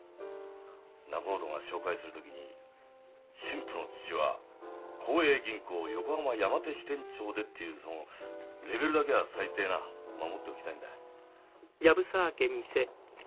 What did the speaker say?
仲人が紹介する時に「新婦の父は幸栄銀行横浜山手支店長で」っていうそのレベルだけは最低な守っておきたいんだ。